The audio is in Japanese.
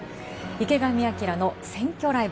「池上彰の選挙ライブ」。